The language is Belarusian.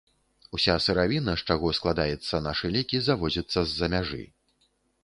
Уся сыравіна, з чаго складаецца нашы лекі, завозіцца з-за мяжы.